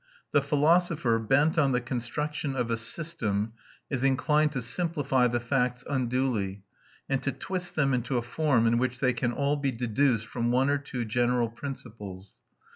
"The philosopher, bent on the construction of a system, is inclined to simplify the facts unduly ... and to twist them into a form in which they can all be deduced from one or two general principles.